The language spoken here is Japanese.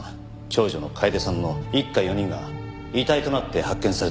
長女の楓さんの一家４人が遺体となって発見された事件。